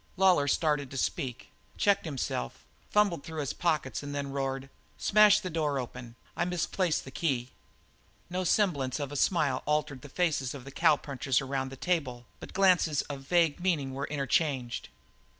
Lawlor started to speak, checked himself, fumbled through his pockets, and then roared: "Smash the door open. I misplaced the key." No semblance of a smile altered the faces of the cowpunchers around the table, but glances of vague meaning were interchanged.